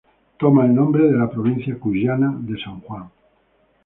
Toma el nombre de la provincia cuyana de San Juan.